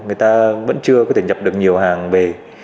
người ta vẫn chưa có thể nhập được nhiều hàng về